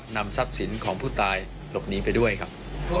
นำทรัพย์สินของผู้ตายหลบหนีไปด้วยครับ